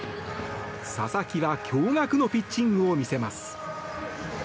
佐々木は驚愕のピッチングを見せます。